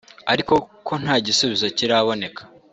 ariko ko nta gisubizo kiraboneka